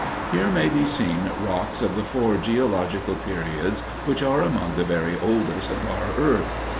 Here may be seen rocks of the four geological periods which are among the very oldest of our earth.